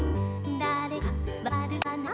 「だれかわかるかな？」